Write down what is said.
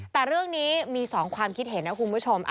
แต่เรื่องนี้มี๒ความคิดเห็นนะคุณผู้ชม